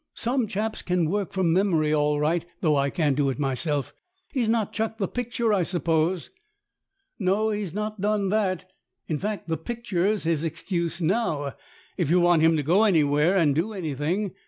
Some chaps can work from memory all right, though I can't do it myself. He's not chucked the picture, I suppose ?"" No ; he's not done that. In fact, the picture's his excuse now, if you want him to go anywhere and do anything.